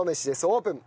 オープン。